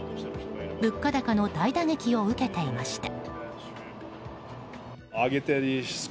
物価高の大打撃を受けていました。